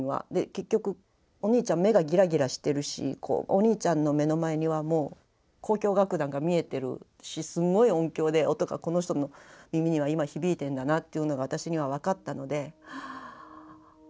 結局お兄ちゃん目がギラギラしてるしお兄ちゃんの目の前にはもう交響楽団が見えてるしすんごい音響で音がこの人の耳には今響いてんだなっていうのが私には分かったので。